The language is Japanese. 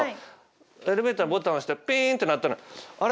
エレベーターボタン押してピンって鳴ったら「あれ？」。